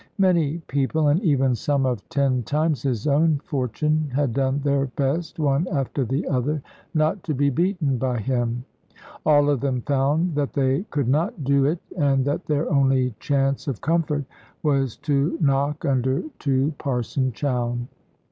Many people, and even some of ten times his own fortune, had done their best, one after the other, not to be beaten by him. All of them found that they could not do it, and that their only chance of comfort was to knock under to Parson Chowne.